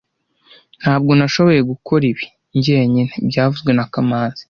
Ntabwo nashoboye gukora ibi njyenyine byavuzwe na kamanzi